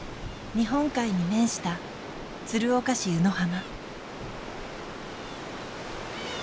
日本海に面した鶴岡市湯野浜。